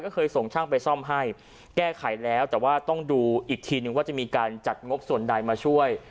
ก็เคยส่งช่างไปซ่อมให้แก้ไขแล้วแต่ว่าต้องดูอีกทีนึงว่าจะมีการจัดงบส่วนใดมาช่วย